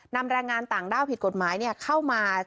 แรงงานต่างด้าวผิดกฎหมายเข้ามา